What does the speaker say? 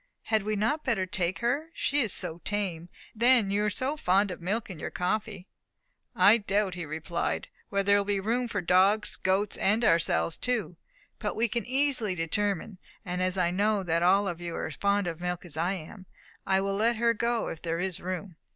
Had we not better take her? She is so tame; and then you are so fond of milk in your coffee." "I doubt," he replied, "whether there will be room for dogs, goats, and ourselves too. But we can easily determine; and as I know that all of you are as fond of milk as I am, I will let her go if there is room."